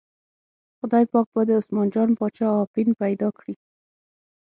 خدای پاک به د عثمان جان باچا اپین پیدا کړي.